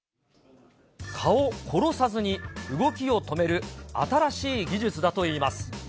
蚊を殺さずに、動きを止める新しい技術だといいます。